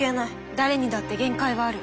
誰にだって限界はある。